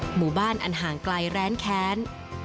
หมู่บ้านอันห่างไกลแร้นแค้น